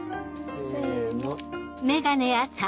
せの。